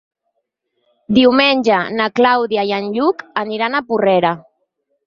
Diumenge na Clàudia i en Lluc aniran a Porrera.